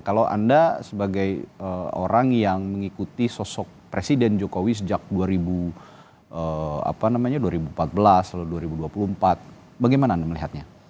kalau anda sebagai orang yang mengikuti sosok presiden jokowi sejak dua ribu empat belas lalu dua ribu dua puluh empat bagaimana anda melihatnya